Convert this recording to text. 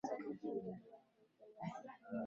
unaweza kuonekana kama ulikuwa uchaguzi ambao